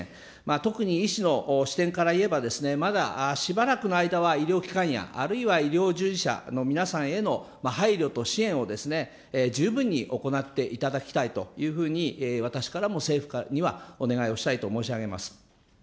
特に医師の視点から言えば、まだしばらくの間は医療機関やあるいは医療従事者への配慮と支援を十分に行っていただきたいというふうに私からも政府にはお願いをしたいと申し上げます。